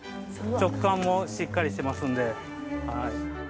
食感もしっかりしてますんで。